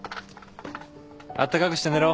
あったかくして寝ろ。